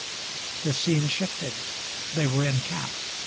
The scene shifted. They were in camp.